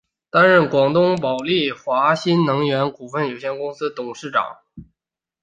担任广东宝丽华新能源股份有限公司董事长。